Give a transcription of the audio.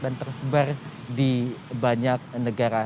dan tersebar di banyak negara